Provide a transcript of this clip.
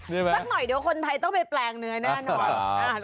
สักหน่อยเดี๋ยวคนไทยต้องไปแปลงเนื้อแน่นอน